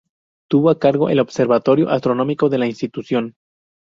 Tuvo a su cargo el observatorio astronómico de la institución.